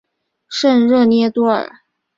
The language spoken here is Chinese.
圣热涅多尔。